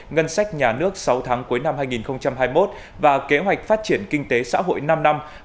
ngân sách nhà nước sáu tháng cuối năm hai nghìn hai mươi một và kế hoạch phát triển kinh tế xã hội năm năm hai nghìn hai mươi một hai nghìn hai mươi năm